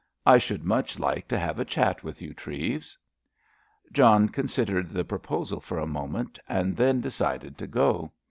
I should much like to have a chat with you, Treves." John considered the proposal for a moment, and then decided to go.